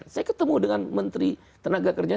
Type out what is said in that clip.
saya ketemu dengan menteri tenaga kerja